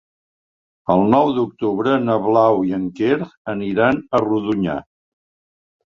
El nou d'octubre na Blau i en Quer aniran a Rodonyà.